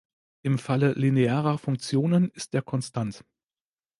Im Falle linearer Funktionen ist er konstant.